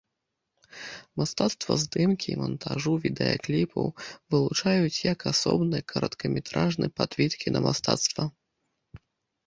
Мастацтва здымкі і мантажу відэакліпаў вылучаюць як асобны кароткаметражны падвід кінамастацтва.